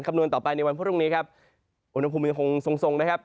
นวณต่อไปในวันพรุ่งนี้ครับอุณหภูมิยังคงทรงทรงนะครับ